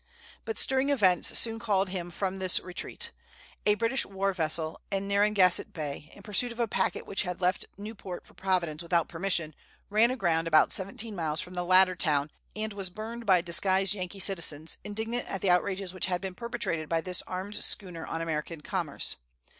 But stirring events soon called him from this retreat. A British war vessel, in Narragansett Bay, in pursuit of a packet which had left Newport for Providence without permission, ran aground about seventeen miles from the latter town, and was burned by disguised Yankee citizens, indignant at the outrages which had been perpetrated by this armed schooner on American commerce.